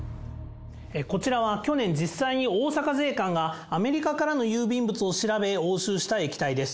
こちらは去年、実際に大阪税関がアメリカからの郵便物を調べ、押収した液体です。